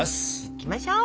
いきましょう！